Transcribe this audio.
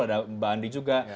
ada mbak andi juga